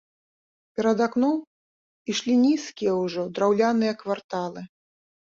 Перад акном ішлі нізкія ўжо, драўляныя кварталы.